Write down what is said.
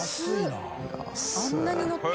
あんなにのって？